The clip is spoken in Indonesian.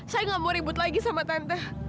saya nggak mau ribut lagi sama tante